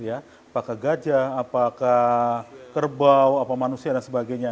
apakah gajah apakah kerbau apa manusia dan sebagainya